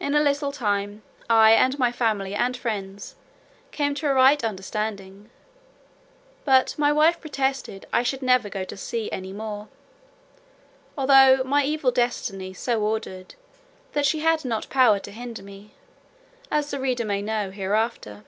In a little time, I and my family and friends came to a right understanding: but my wife protested "I should never go to sea any more;" although my evil destiny so ordered, that she had not power to hinder me, as the reader may know hereafter.